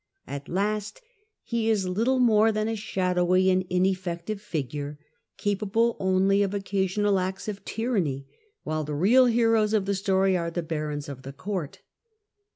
At last he is little more than a shadowy and ineffective figure, capable only of oc casional acts of tyranny, while the real heroes of the story are the barons of his court.